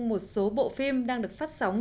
một số bộ phim đang được phát sóng